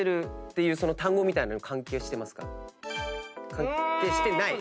関係してない？